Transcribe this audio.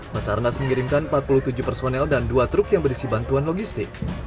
basarnas mengirimkan empat puluh tujuh personel dan dua truk yang berisi bantuan logistik